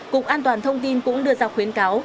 cục an toàn thông tin cũng đưa ra khuyến cáo